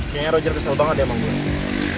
kayaknya roger kesel banget ya sama gue